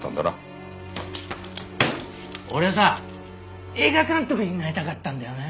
俺はさ映画監督になりたかったんだよね。